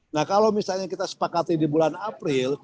nah kalau misalnya kita sepakati di bulan april